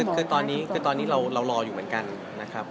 คือตอนนี้เรารออยู่เหมือนกันนะครับ